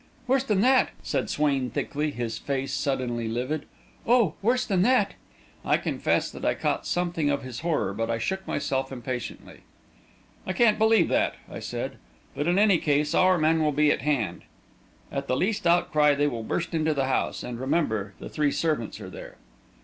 "Worse than that!" said Swain thickly, his face suddenly livid. "Oh, worse than that!" I confess that I caught something of his horror; but I shook myself impatiently. "I can't believe that," I said. "But, in any case, our men will be at hand. At the least outcry they will burst into the house. And remember, the three servants are there."